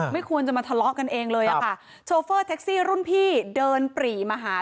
ไม่ควรจะมาทะเลาะกันเองเลยอะค่ะโชเฟอร์แท็กซี่รุ่นพี่เดินปรีมาหา